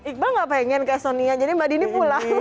iqbal gak pengen ke sonia jadi mbak dini pulang